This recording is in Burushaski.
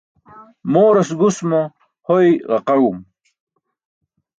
Mooras gus mo hoy ġaqaẏum.